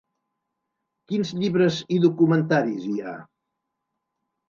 Quin llibres i documentaris hi ha?